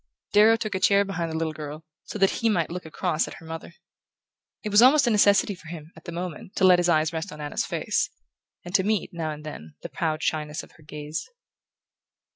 Darrow took a chair behind the little girl, so that he might look across at her mother. It was almost a necessity for him, at the moment, to let his eyes rest on Anna's face, and to meet, now and then, the proud shyness of her gaze.